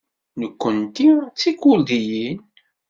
Nukenti d Tikurdiyin.